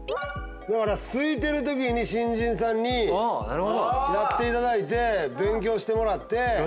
だからすいてる時に新人さんにやっていただいて勉強してもらって。